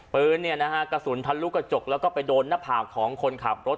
ปืนกระสุนทันลุโกยกจกแล้วไปโดนหน้าแผ่งของคนขับรถ